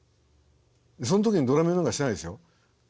その時にドラミングなんかしないですよ。